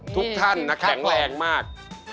ทุกท่านนะแข็งแรงมาก